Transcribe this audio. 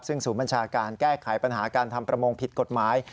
ซึ่งศูนย์บัญชาการแก้ไขปัญหาการทำประมงผิดกฎหมาย